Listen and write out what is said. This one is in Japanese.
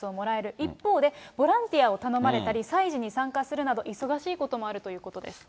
一方で、ボランティアを頼まれたり、催事に参加するなど、忙しいこともあるということです。